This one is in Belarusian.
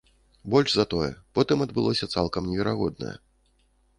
Больш за тое, потым адбылося цалкам неверагоднае.